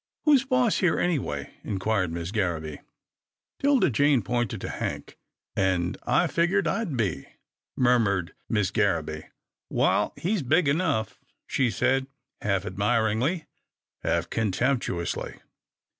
"Who's boss here, anyway?" inquired Miss Garraby. 'Tilda Jane pointed to Hank. " An' I figgered I'd be," murmured Miss Gar raby. " Wal, he's big enough," she said half ad miringly, half contemptuously.